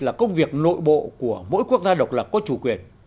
là công việc nội bộ của mỗi quốc gia độc lập có chủ quyền